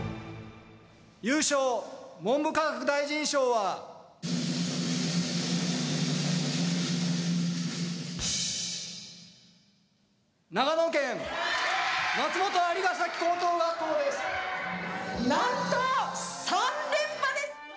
優勝・文部科学大臣賞は、長野県、なんと３連覇です。